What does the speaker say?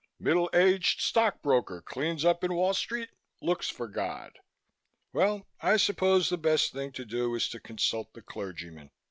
"'Middle aged Stock Broker Cleans up in Wall Street, Looks for God.' Well, I suppose the best thing to do is to consult the clergymen."